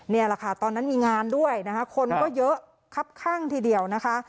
นี่แหละค่ะตอนนั้นมีงานด้วยนะคะคนก็เยอะครับข้างทีเดียวนะคะ